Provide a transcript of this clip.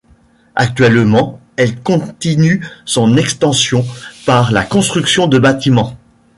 Actuellement, elle continue son extension par la construction de bâtiments.